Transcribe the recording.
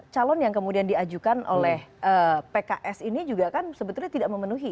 calon yang kemudian diajukan oleh pks ini juga kan sebetulnya tidak memenuhi